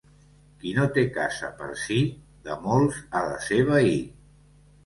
Qui no té casa per si, de molts ha de ser veí.